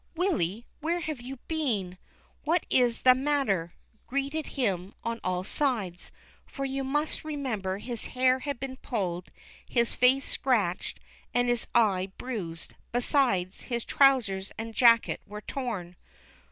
" Willy, where have you been ? What is the mat ter ?" greeted him on all sides ; for you must remem ber his hair had been pulled, his face scratched, and his eye bruised ; besides, his trousers and jacket were torn.